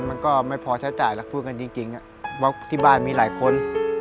มันก็ไม่พอใช้จ่ายแล้วพูดกันจริงว่าที่บ้านมีหลายคน